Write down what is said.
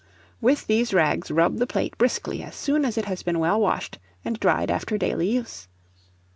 With these rags rub the plate briskly as soon as it has been well washed and dried after daily use.